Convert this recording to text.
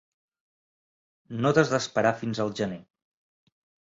No t'has d'esperar fins al gener.